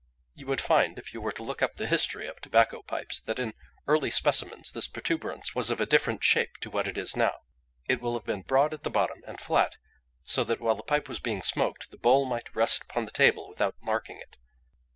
You would find, if you were to look up the history of tobacco pipes, that in early specimens this protuberance was of a different shape to what it is now. It will have been broad at the bottom, and flat, so that while the pipe was being smoked the bowl might rest upon the table without marking it.